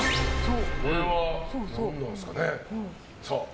これは、どうなんですかね。